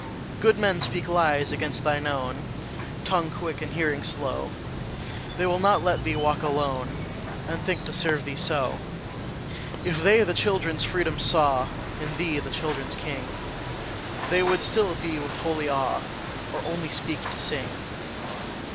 Good men speak lies against thine own Tongue quick, and hearing slow; They will not let thee walk alone, And think to serve thee so: If they the children's freedom saw In thee, the children's king, They would be still with holy awe, Or only speak to sing.